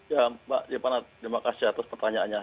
ya mbak rifana terima kasih atas pertanyaannya